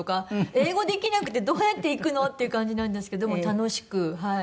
英語できなくてどうやって行くのっていう感じなんですけども楽しくはい。